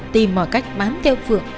tìm mọi cách bám theo phượng